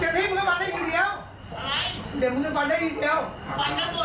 สวัสดีครับทุกคน